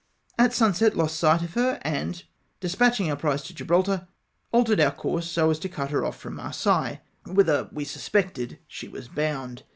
At sunset lost sight of her, and despatching 250 CAPTUEE A XEBEC. our prize to Gibraltar, altered our course so as to cut her off from Marseilles, whither we suspected she was bound.